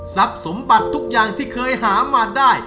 สมบัติทุกอย่างที่เคยหามาได้